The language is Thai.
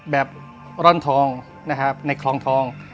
ร่อนทองนะครับในคลองทอง